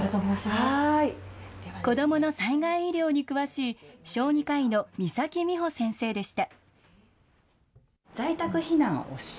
子どもの災害医療に詳しい小児科医の岬美穂先生でした。